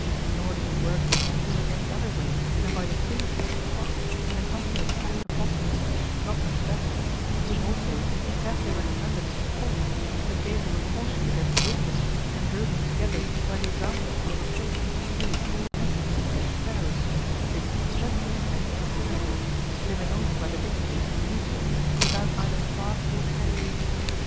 Nor did he work this cure any other way than by the foolishness of the cross and a company of fat apostles, not much better, to whom also he carefully recommended folly but gave them a caution against wisdom and drew them together by the example of little children, lilies, mustard seed, and sparrows, things senseless and inconsiderable, living only by the dictates of nature and without either craft or care.